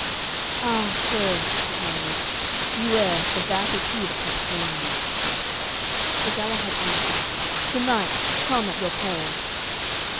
"Ah, sir," said Melias, "beware, for that is he that hath slain me." Sir Galahad answered, "Sir knight, come at your peril."